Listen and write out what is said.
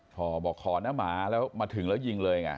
พอบอกขอนะหมาแล้วมาถึงแล้วยิงเลยไง